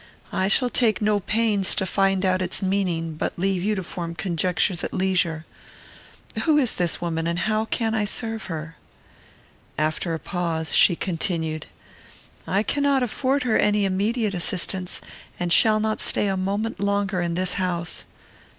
I shall take no pains to find out its meaning, but leave you to form conjectures at leisure. Who is this woman, and how can I serve her?" After a pause, she continued: "I cannot afford her any immediate assistance, and shall not stay a moment longer in this house.